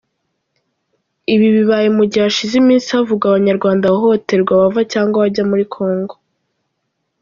Ibi bibaye mu gihe hashize iminsi havugwa Abanyarwanda bahohoterwa bava cyangwa bajya muri Congo.